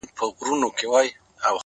اوښکي دې توی کړلې ډېوې’ راته راوبهيدې’